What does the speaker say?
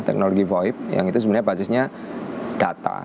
teknologi voib yang itu sebenarnya basisnya data